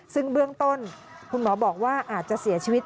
ซึ่งเบื้องต้นคุณหมอบอกว่าอาจจะเสียชีวิต